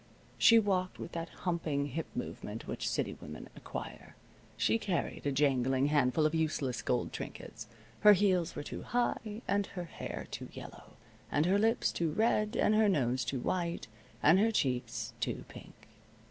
She walked with that humping hip movement which city women acquire. She carried a jangling handful of useless gold trinkets. Her heels were too high, and her hair too yellow, and her lips too red, and her nose too white, and her cheeks too pink.